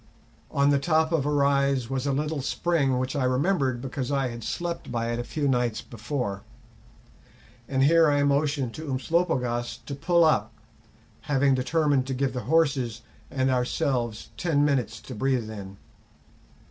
On the top of a rise was a little spring, which I remembered because I had slept by it a few nights before, and here I motioned to Umslopogaas to pull up, having determined to give the horses and ourselves ten minutes to breathe in.